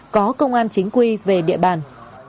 có công an chính quy về địa bàn